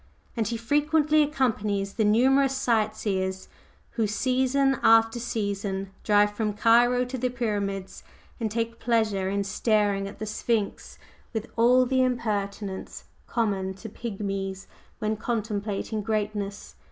And he frequently accompanies the numerous sight seers who season after season drive from Cairo to the Pyramids, and take pleasure in staring at the Sphinx with all the impertinence common to pigmies when contemplating greatness.